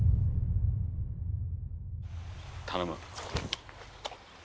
頼む。